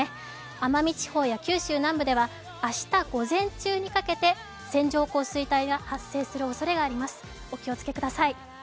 奄美地方や九州南部では明日午前中にかけて線状降水帯が発生するおそれがあります、お気をつけください。